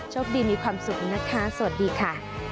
มีความสุขนะคะสวัสดีค่ะ